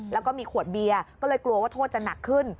แล้วก็มีขวดเบียร์ก็เลยกลัวว่าโทษจะหนักขึ้น